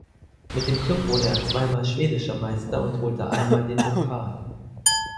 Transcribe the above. Mit dem Klub wurde er zweimal schwedischer Meister und holte einmal den Pokal.